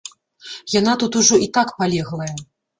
Яна тут ужо і так палеглая.